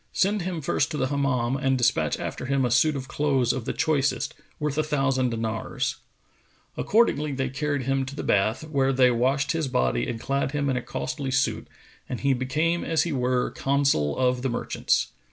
Send him first to the Hammam and despatch after him a suit of clothes of the choicest, worth a thousand dinars."[FN#460] Accordingly they carried him to the bath, where they washed his body and clad him in a costly suit, and he became as he were Consul of the Merchants.